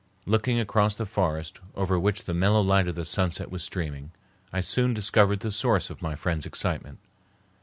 Looking across the forest, over which the mellow light of the sunset was streaming, I soon discovered the source of my friend's excitement.